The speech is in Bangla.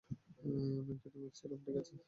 আমি একটা টিমে ছিলাম, ঠিক আছে?